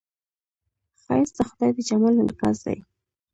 ښایست د خدای د جمال انعکاس دی